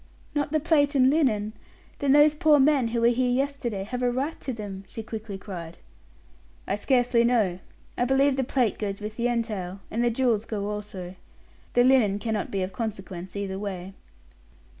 "Not the plate and linen! Then those poor men who were here yesterday have a right to them," she quickly cried. "I scarcely know. I believe the plate goes with the entail and the jewels go also. The linen cannot be of consequence either way."